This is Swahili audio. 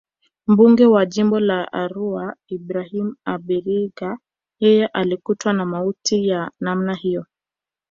Mbunge wa Jimbo la Arua Ibrahim Abiriga yeye alikutwa na mauti ya namna hiyo